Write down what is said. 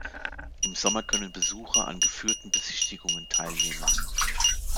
Im Sommer können Besucher an geführten Besichtigungen teilnehmen.